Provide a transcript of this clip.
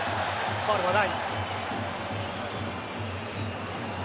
ファウルはない。